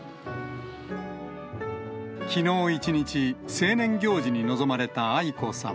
きのう一日、成年行事に臨まれた愛子さま。